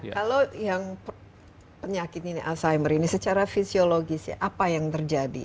kalau penyakit alzheimer ini secara fisiologis apa yang terjadi